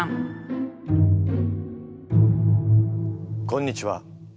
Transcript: こんにちは。